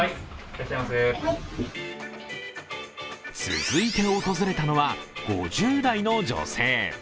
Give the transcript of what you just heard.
続いて訪れたのは、５０代の女性。